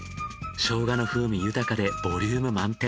生姜の風味豊かでボリューム満点。